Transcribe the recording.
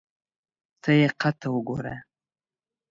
ته یې قد ته وګوره !